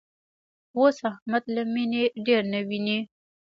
اوس احمد له مینې ډېر نه ویني.